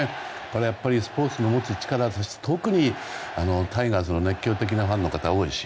やっぱりこれはスポーツの持つ力ですし特に、タイガース熱狂的なファンの方は多いし。